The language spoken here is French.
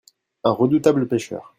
Un redoutable pêcheur.